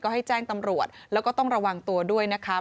ให้แจ้งตำรวจแล้วก็ต้องระวังตัวด้วยนะคะ